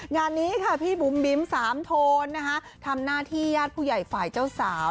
งานนี้ค่ะพี่บุ๋มบิ๊มสามโทนทำหน้าที่ญาติผู้ใหญ่ฝ่ายเจ้าสาว